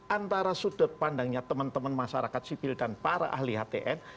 antara sudut pandangnya teman teman masyarakat sipil dan para ahli htn